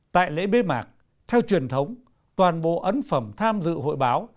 tại lễ bế mạc theo truyền thống toàn bộ ấn phẩm tham dự hội báo